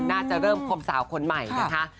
น่าจะเริ่มคมสาวคนใหม่นะคะ